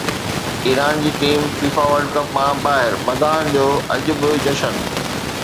Iran جي team FIFA World Cup مان ٻاهر، مداحن جو اڄ به جشن